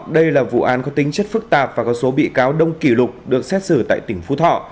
đây là vụ án có tính chất phức tạp và có số bị cáo đông kỷ lục được xét xử tại tỉnh phú thọ